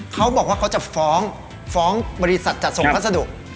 เขาบอกว่าเขาจะฟ้องฟ้องบริษัทจัดส่งพัสดุ